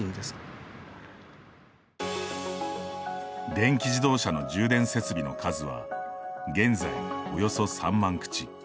電気自動車の充電設備の数は現在およそ３万口。